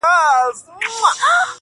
د انسان زړه آیینه زړه یې صیقل دی.!